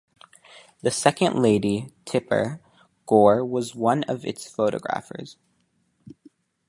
Then Second Lady Tipper Gore was one of its photographers.